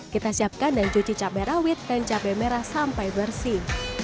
kita siapkan dan cuci cabai rawit dan cabai merah sampai bersih